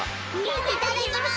いただきます。